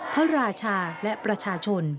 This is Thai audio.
พระราชาและประชาชน